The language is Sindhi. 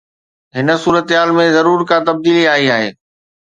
هن صورتحال ۾ ضرور ڪا تبديلي آئي آهي.